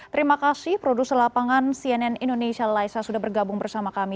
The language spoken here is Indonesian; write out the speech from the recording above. terima kasih produser lapangan cnn indonesia laisa sudah bergabung bersama kami